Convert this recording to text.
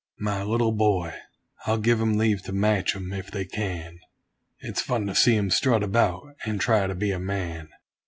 My little boy I'll give 'em leave to match him, if they can; It's fun to see him strut about, and try to be a man!